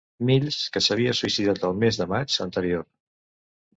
Mills, que s'havia suïcidat el mes de maig anterior.